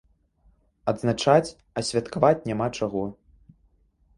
Адзначаць, а святкаваць няма чаго.